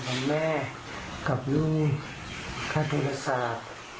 ของแม่กับยูข้าธุรสาธารณ์